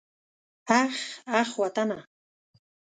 اخ اخ وطنه.